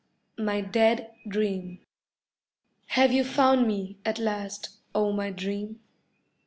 MY DEAD DREAM Have you found me, at last, O my Dream?